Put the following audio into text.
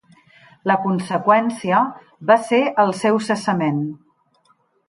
La conseqüència va ser el seu cessament.